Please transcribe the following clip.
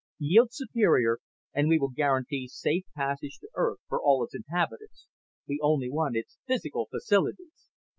"Yield Superior and we will guarantee safe passage to Earth for all its inhabitants. We only want its physical facilities."